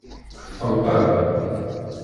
Tqelqem?